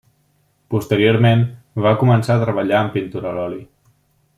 Posteriorment, va començar a treballar amb pintura a l'oli.